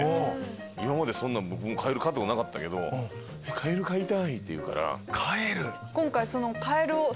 今までそんな僕もカエル飼ったことなかったけど「カエル飼いたい」って言うから。